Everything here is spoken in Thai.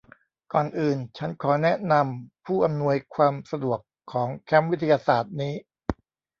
ก่อนอื่น ฉันขอแนะนำผู้อำนวยความสะดวกของแคมป์วิทยาศาสตร์นี้